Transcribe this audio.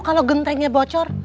kalo gentengnya bocor